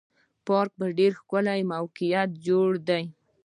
پارک په ډېر ښکلي موقعیت کې جوړ دی.